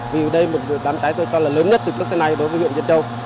vì đây là một lực lượng đám cháy tôi cho là lớn nhất từ lúc tới nay đối với huyện diễn châu